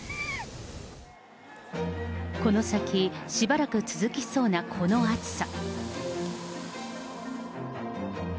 この先しばらく続きそうなこの暑さ。